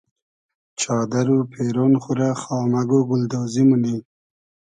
چادئر و پېرۉن خو رۂ خامئگ و گولدۉزی مونی